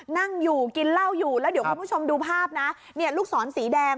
นั่งอยู่กินล้าวอยู่แล้วหาพระผู้ชมดูภาพเนี่ยลูกสอนสีแดง